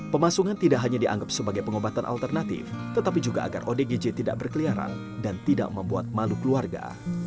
pemasungan tidak hanya dianggap sebagai pengobatan alternatif tetapi juga agar odgj tidak berkeliaran dan tidak membuat malu keluarga